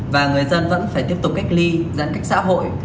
và người dân vẫn phải tiếp tục cách ly giãn cách xã hội